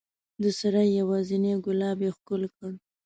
د سرای یوازینی ګلاب یې ښکل کړ